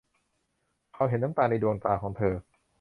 เขาเห็นน้ำตาในดวงตาของเธอ